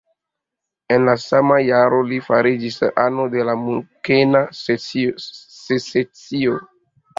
En la sama jaro li fariĝis ano de la Munkena Secesio.